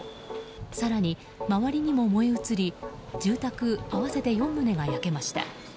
更に、周りにも燃え移り住宅合わせて４棟が焼けました。